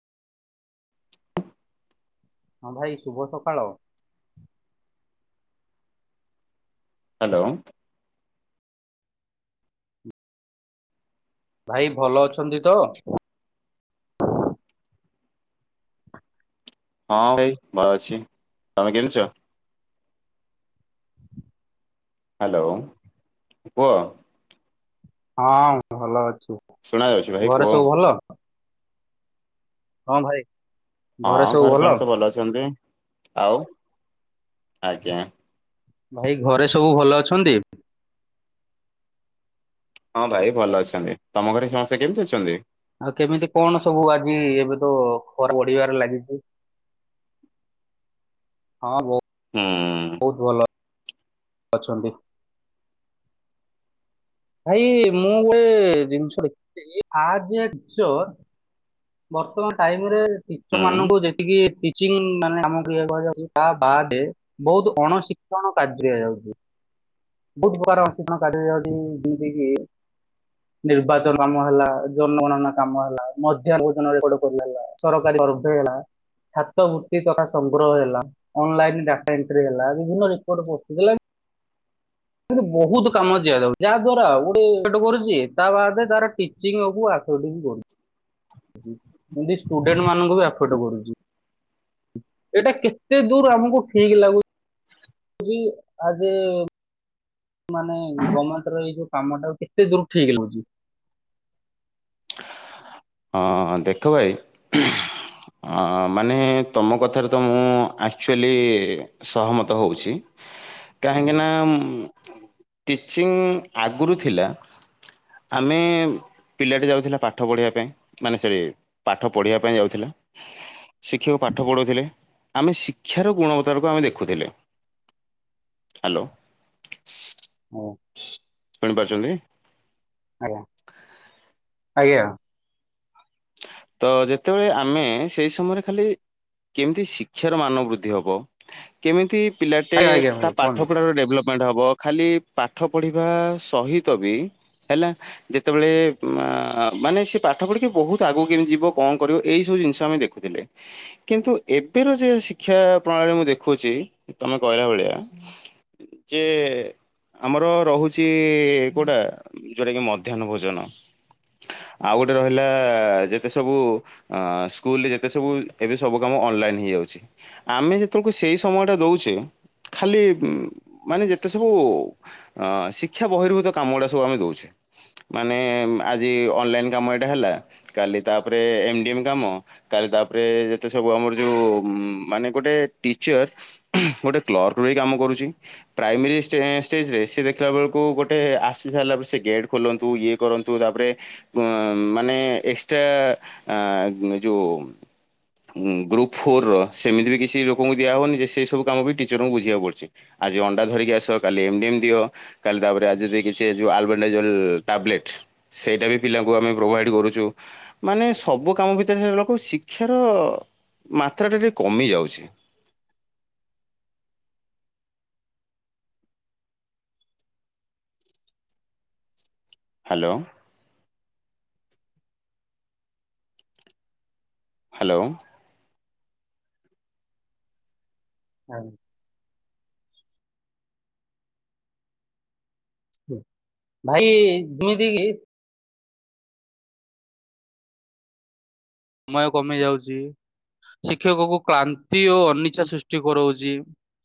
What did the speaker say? ହଁ ଭାଇ ଶୁଭ ସକାଳ। ହ୍ୟାଲୋ। ଭାଇ ଭଲ ଅଛନ୍ତି ତ? ହଁ ଭାଇ ଭଲ ଅଛି। ତମେ କେମିତି ଅଛ? ହ୍ୟାଲୋ କୁହ। ହଁ ଭଲ ଅ ଶୁଣା ଯାଉଛି ଭାଇ ଘରେ କୁହ ସବୁ ଭଲ। ହଁ ଭାଇ। ହଁ ଘରେ ସମସ୍ତେ ଭଲ ଅଛନ୍ତି। ଆଉ ଆଜ୍ଞା। ଭାଇ ଘରେ ସବୁ ଭଲ ଅଛନ୍ତି? ହଁ ଭାଇ ଭଲ ଅଛନ୍ତି। ତମ ଘରେ ସମସ୍ତେ କେମିତି ଅଛନ୍ତି? ଆଉ କେମିତି କଣ ସବୁ ଆଜି ଏବେ ତ ଖରା ବଢିବାରେ ଲାଗିଚି। ହଁ ବୋ ହୁଁ। ଅଛନ୍ତି। ଭାଇ ମୁଁ ଗୋଟେ ଜିନିଷ ଦେଖିଥିଲି ଆଜ୍ ଏ ଟିଚର ବର୍ତ୍ତମାନ ଟାଇମ ରେ ଟିଚର ହୁଁ। ମାନଙ୍କୁ ଦେଖିକି ଟିଚିଂ ମାନେ ଆମକୁ ଇଏ କୁହାଯାଉଚି ତା ବାଦେ ବୋହୁତ ଅଣଶିକ୍ଷଣ କାର୍ଯ୍ୟ ହେଇଯାଉଚି, ବୋହୁତ ପ୍ରକାର ଅଣଶିକ୍ଷଣ କାର୍ଯ୍ୟ ଦିଯାଉଚି ଯେମିତି କି ନିର୍ବାଚନ କାମ ହେଲା ଜନଗଣନା କାମ ହେଲା [unintelligible] ହେ ଛାତ୍ରବୃତ୍ତି ତଥା ସଂଗ୍ରହ ହେଲା ଅନଲାଇନ ଡାଟ ଏଟି ହେଲା ବିଭିନ୍ନ ରେକଡ୍ ପସି ଗଲାଣି ବୋହୁତ କାମ ଦିଆ ଯାଉ ଏହା ଦ୍ଵାରା ଗୋଟେ କରୁଛି ତା ବାଦରେ ତାର ଟିଚିଙ୍ଗ କୁ ଏମତି ଷ୍ଟୁଡେଣ୍ଟ ମାନଙ୍କୁ ବି ଆଫର୍ଟ କରୁଚି, ଏଇଟା କେତେ ଦୂର ଆମକୁ ଠିକ ଲାଗୁ ଚି ଆଜି ମାନେ ଗମେଣ୍ଟ ର ଏଇ ଯୋଉ କାମ ଟା କେତେ ଦୂର ଠିକ୍ ଲାଗୁଚି। ହଁ ଦେଖ ଭାଇ ମାନେ ତମ କଥାରେ ତ ମୁଁ ଆକ୍ଚୁଆଲି ସହମତ ହୋଉଚି କାହିଁକି ନା ଟିଚିଂ ଆଗରୁ ଥିଲା, ଆମେ ପିଲାଟି ଯାଉଥିଲା ପାଠ ପଢ଼ିବା ପାଇଁ ମାନେ ସେ ପାଠ ପଢ଼ିବା ପାଇଁ ଯାଉଥିଲା। ଶିକ୍ଷକ ପାଠ ପଢ଼ୋଉଥିଲେ। ଆମେ ଶିକ୍ଷାର ଗୁଣବତାକୁ ଆମେ ଦେଖୁଥିଲେ। ହ୍ୟାଲୋ ହଁ ଶୁଣି ପାରୁଚନ୍ତି। ଆଜ୍ଞ। ଆଜ୍ଞା। ତ ଯେତେବେଳେ ଆମେ ସେଇ ସମୟରେ ଖାଲି କେମିତି ଶିକ୍ଷାର ମାନ ବୃଦ୍ଧି ହବ କେମିତି ପିଲାଟେ ଆଜ୍ଞା ଆଜ୍ଞା ତା ଭାଇ କୁହନ୍ତୁ ପାଠପଢ଼ା ରେ ଡେଭଲପ୍ ମାଡ଼ ହବ ଖାଲି ପାଠ ପଢିବା ସହିତ ବି ହେଲା ଯେତେବେଳେ ମାନେ ସେ ପାଠ ପଢିକି ବୋହୁ ଆଗକୁ କେମିତି ଯିବ କଣ କରିବ ଏଇ ସବୁ ଜିନିଷ ଆମେ ଦେଖୁଥିଲେ। କିନ୍ତୁ ଏବେର ଯେ ଶିକ୍ଷା ପ୍ରଣାଳୀରେ ମୁଁ ଦେଖୁଚି ତମେ କହିଲା ଭଳିଆ ଯେ ଆମର ରହୁଚି ଗୋଟା ଯୋଉଟା କି ମଧ୍ୟାହନ ଭୋଜନ ଆଉ ଗୋଟେ ରହିଲା। ଯେତେ ସବୁ ସ୍କୁଲରେ ଯେତେ ସବୁ ଏବେ ସବୁ କାମ ଅନଲାଇନ୍ ହେଇଯାଉଚି। ଆମେ ଯେତେବେଳକୁ ସେଇ ସମୟଟା ଦେଉଚେ ଖାଲି ମାନେ ଯେତେ ସବୁ ଶିକ୍ଷା ବହିର୍ଭୂତ କାମ ଗୁଡ଼ା ସବୁ ଆମେ ଦେଉଚି ମାନେ ଆଜି ଅନଲାଇନ୍ କାମ ଏଟା ହେଲା କାଲି ତାପରେ ଏମ ଡି ଏମ୍ କାମ କାଲି ତାପରେ ଯେତେ ସବୁ ଆମର ଯୋଉ ମାନେ ଗୋଟେ ଟିଚର ଗୋଟେ କ୍ଲର୍କ ରହି କାମ କରୁଚି, ପ୍ରାଇମେରୀ ଷ୍ଟେ ଷ୍ଟେଜରେ ସେ ଦେଖିଲା ବେଳକୁ ଗୋଟେ ଆସି ସାରିଲା ପରେ ସେ ଗେଟ ଖୋଲନ୍ତୁ ଇଏ କରନ୍ତୁ ତାପରେ ମାନେ ଏକ୍ସଟ୍ରା ଯୋଉ ଗ୍ରୁପ୍ ଫୋର୍ର ସେମିତି ବି କିଛି ଲୋକଙ୍କୁ ଦିଆ ହେବନି ଯେ ସେହିସବୁ କାମ ବି ଟିଚରଙ୍କୁ ବୁଝିବାକୁ ପଡ଼ୁଚି, ଆଜି ଅଣ୍ଡା ଧରିକି ଆସ କାଲି ଏମ୍ଡି ଏମ୍ ଦିଅ କାଲି ତା ପରେ ଆଜି ଯଦି କିଛି ଯେଉଁ ଆଲବାଣ୍ଡାଇଜଲ ଟ୍ୟାାବଲେଟ୍ ସେଇଟା ବି ପିଲାଙ୍କୁ ଆମେ ପ୍ରୋଭାଇଡ଼୍ କରୁଚୁ। ମାନେ ସବୁ କାମ ଭିତରେ ସେ ଲୋକ ଶିକ୍ଷାର ମାତ୍ରା ଟା ଟିକେ କମି ଯାଉଛି। ହ୍ୟାଲୋ। ହ୍ୟାଲୋ। ହଁ। ଭାଇ ଜିମିତି କିି ସମୟ କମି ଯାଉଛି ଶିକ୍ଷକ କୁ କ୍ଳାନ୍ତି ଓ ଅନିଛା ସୃଷ୍ଟି କରାଉଛି।